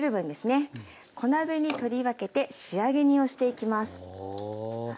小鍋に取り分けて仕上げ煮をしていきます。